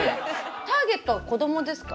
ターゲットは子どもですか？